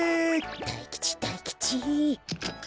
大吉大吉。